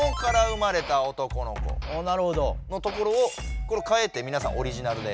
おなるほど。のところをこれかえてみなさんオリジナルで。